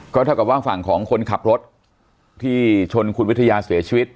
เท่ากับว่าฝั่งของคนขับรถที่ชนคุณวิทยาเสียชีวิต